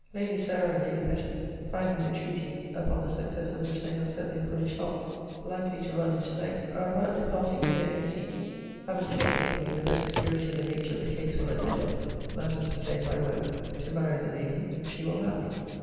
Lady Sarah and Lady Betty, finding the treaty, upon the success of which they have set their foolish hearts, likely to run into length, are about departing to their own seats; having taken from me the best security the nature of the case will admit of, that is to say, my word, to marry the lady, if she will have me.